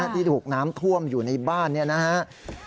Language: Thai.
ที่ถูกน้ำท่วมอยู่ในบ้านเนี่ยนะครับ